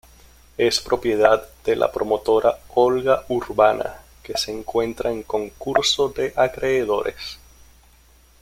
Es propiedad de la promotora Olga Urbana, que se encuentra en concurso de acreedores.